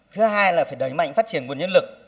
thứ hai là phải đẩy mạnh phát triển nguồn nhân lực